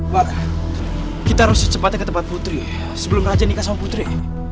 pak kita harus secepatnya ke tempat putri sebelum raja nikah sama putri